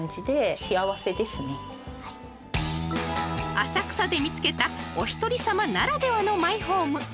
［浅草で見つけたおひとりさまならではのマイホーム］